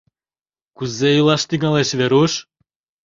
Кузе илаш тӱҥалеш Веруш?